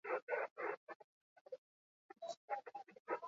Bigarren Mundu Gerran faltsutze-lanak egin zituen Erresistentziarentzat.